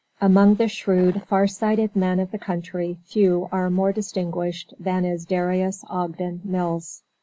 Among the shrewd far sighted men of the country few are more distinguished than is Darius Ogdon Mills.